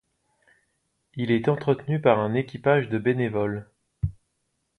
Il est entretenu par un équipage de bénévoles.